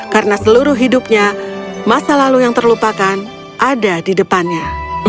karena seluruh hidupnya masa lalu yang terlupakan ada di depannya